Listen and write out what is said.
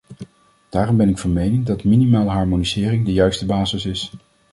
Daarom ben ik van mening dat minimale harmonisering de juiste basis is.